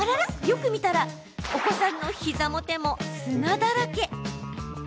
よく見たらお子さんの膝も手も砂だらけ。